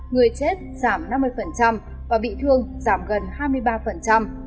người chết giảm năm mươi và bị thương giảm gần hai mươi ba